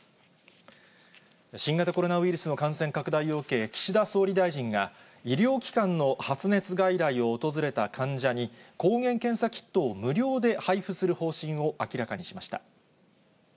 新型コロナウイルスの感染拡大を受け、岸田総理大臣が、医療機関の発熱外来を訪れた患者に、抗原検査キットを無料で配布する方針を明らかにしました。